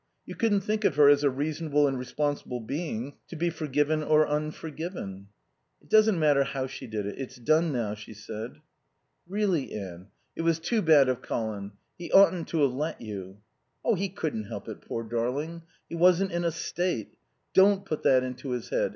You couldn't think of her as a reasonable and responsible being, to be forgiven or unforgiven. "It doesn't matter how she did it. It's done now," she said. "Really, Anne, it was too bad of Colin. He oughtn't to have let you." "He couldn't help it, poor darling. He wasn't in a state. Don't put that into his head.